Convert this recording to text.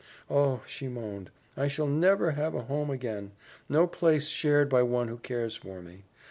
"Oh," she moaned, "I shall never have a home again! No place shared by one who cares for me.